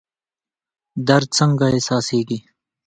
درد څنګه احساسیږي؟